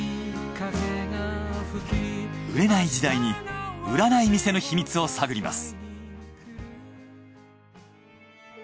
売れない時代に売らない店の秘密を探ります。